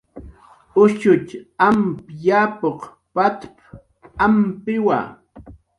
"Ushutxam yapuq p""at""aqampiwa"